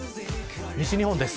西日本です。